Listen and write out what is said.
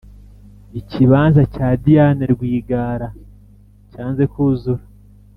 Ikibanza cya diane rwigara cyanze kuzzura